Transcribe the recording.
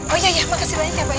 oh iya ya makasih banyak ya pak ya